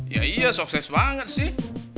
ya iya sukses banget sih